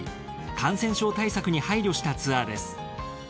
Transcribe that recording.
感染症対策に配慮したツアーです。